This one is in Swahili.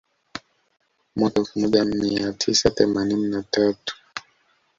Mwaka elfu moja mia tisa themanini na tatu